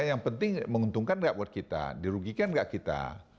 yang penting menguntungkan nggak buat kita dirugikan nggak kita